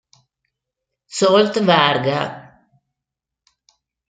Zsolt Varga